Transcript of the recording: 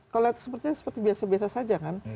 kalau lihat sepertinya seperti biasa biasa saja kan